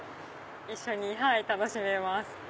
一緒に楽しめます。